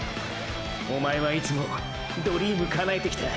おまえはいつもドリーム叶えてきた。